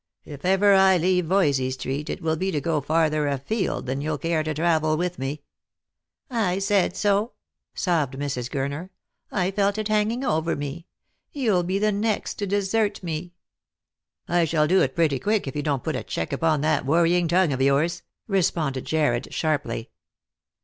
If ever I leave Voysey street it will be to go farther afield than you'll care to travel with me." " I said so," sobbed Mrs. Gurner. " I felt it hanging over me. You'll be the next to desert me." " I shall do it pretty quick, if you don't put a check upon that worrying tongue of yours," responded Jarred sharply.